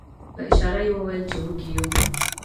په اشاره یې وویل چې وږي یو.